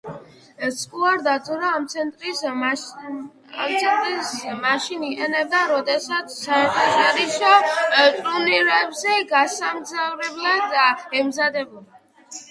სკუადრა აძურა ამ ცენტრს მაშინ იყენებს, როდესაც საერთაშორისო ტურნირებზე გასამგზავრებლად ემზადება.